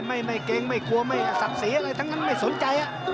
ไม่เกรงไม่กลัวไม่ศักดิ์ศรีอะไรทั้งนั้นไม่สนใจ